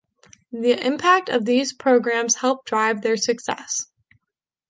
The impact of these programs help drive their success.